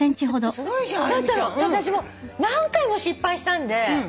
私も何回も失敗したんで。